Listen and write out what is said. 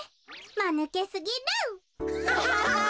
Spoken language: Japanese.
まぬけすぎる。